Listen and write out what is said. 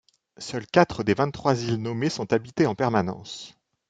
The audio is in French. Seules quatre des vingt-trois îles nommées sont habitées en permanence.